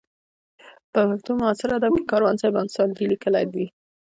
په پښتو معاصر ادب کې کاروان صاحب هم ساندې لیکلې دي.